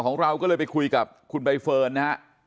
ของเราก็เลยไปคุยกับคุณใบเฟิร์นนะฮะ